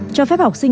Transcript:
cho phép học sinh